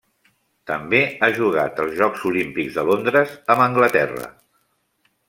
També ha jugat els Jocs Olímpics de Londres amb Anglaterra.